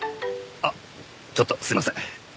あっちょっとすみません。